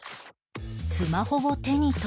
スマホを手に取り